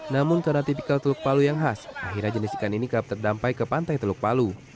namun karena tipikal teluk palu yang khas akhirnya jenis ikan ini kerap terdampai ke pantai teluk palu